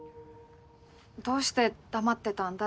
どうして黙ってたんだ？